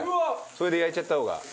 それで焼いちゃった方が。